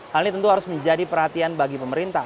hal ini tentu harus menjadi perhatian bagi pemerintah